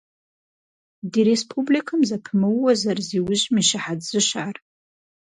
Ди республикэм зэпымыууэ зэрызиужьым и щыхьэт зыщ ар.